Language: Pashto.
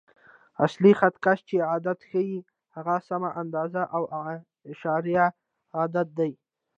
اصلي خط کش چې عدد ښیي، هغه سمه اندازه او اعشاریه عدد دی.